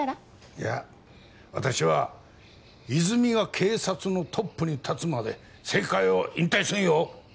いや私は泉が警察のトップに立つまで政界を引退せんよ！